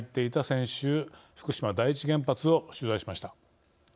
先週福島第一原発を取材しました。